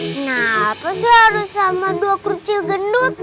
kenapa sih harus sama dua kurcil gendut